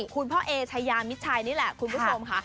คุณพ่อเอชายามิดชัยนี่แหละคุณผู้ชมค่ะ